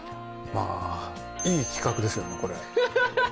まあ、いい企画ですよね、これ。